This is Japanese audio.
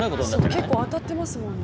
結構当たってますもんね。